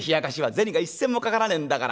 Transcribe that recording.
銭が一銭もかからねえんだから。